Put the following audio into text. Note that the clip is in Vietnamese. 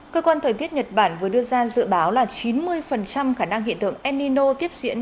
cơ quan thời tiết nhật bản vừa đưa ra dự báo là chín mươi khả năng hiện tượng enino tiếp diễn